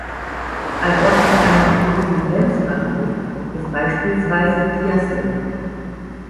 Ein Ort mit einem großen Grenzbahnhof ist beispielsweise Chiasso.